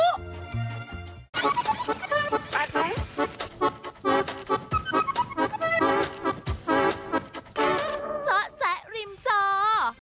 เจ้าแจ๊ะริมเจ้า